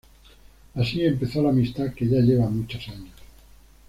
Así empezó la amistad que ya lleva muchos años.